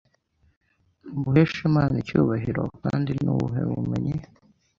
buhesha Imana icyubahiro kandi ni ubuhe bumenyi